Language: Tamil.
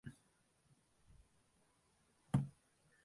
எழுப்பி விட்டா அடிக்கும்?